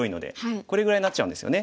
これぐらいになっちゃうんですよね。